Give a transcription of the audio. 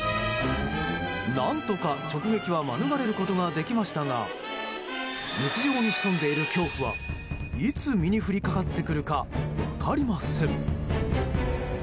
何とか直撃は免れることができましたが日常に潜んでいる危険はいつ身に降りかかってくるか分かりません。